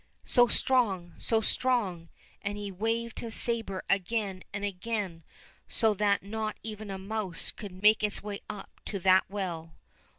so strong, so strong, and he waved his sabre again and again so that not even a mouse could make its way up to that well.